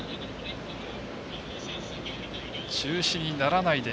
中止にならないで！